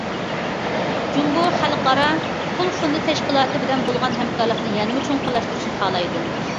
جۇڭگو خەلقئارا پۇل فوندى تەشكىلاتى بىلەن بولغان ھەمكارلىقنى يەنىمۇ چوڭقۇرلاشتۇرۇشنى خالايدۇ.